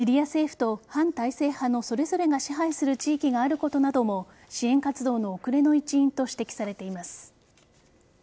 シリア政府と反体制派のそれぞれが支配する地域があることなども支援活動の遅れの一因と指摘されています。